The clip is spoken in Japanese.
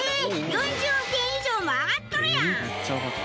４０億円以上も上がっとるやん！